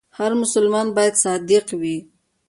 هر مسلمان باید صادق وي.